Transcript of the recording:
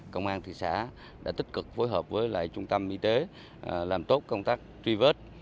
công an thị xã đã tích cực phối hợp với lại trung tâm y tế làm tốt công tác truy vết